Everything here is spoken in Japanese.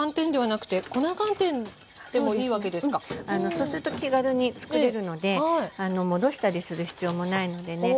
そうすると気軽につくれるので戻したりする必要もないのでね